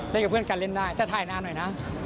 เล่นกับเพื่อนกันเล่นได้ถ้าถ่ายหน้าหน่อยนะ